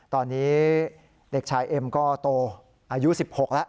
ตอนนี้เด็กชายเอ็มก็โตอายุ๑๖แล้ว